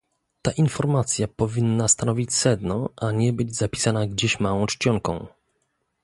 Ta informacja powinna stanowić sedno, a nie być zapisana gdzieś małą czcionką